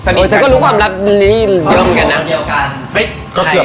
อันนี้พื้นชาติดมาเด็ก